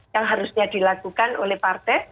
yang harusnya dilakukan oleh partai